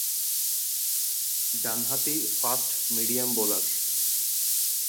ডানহাতি fast medium bowler.